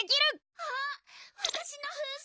・あっわたしの風船！